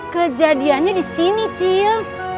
kejadiannya disini cil